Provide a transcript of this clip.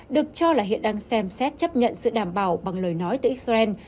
được cho là hiện đang xem xét chấp nhận sự đảm bảo bằng lời nói từ israel